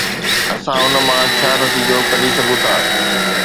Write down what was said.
اسان ان مان ڇا نتيجو ڪڍي سگهون ٿا؟